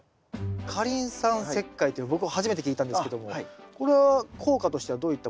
過リン酸石灰って僕初めて聞いたんですけどもこれは効果としてはどういったものが。